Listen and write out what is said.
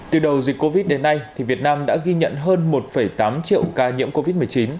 từ đầu dịch covid đến nay việt nam đã ghi nhận hơn một tám triệu ca nhiễm covid một mươi chín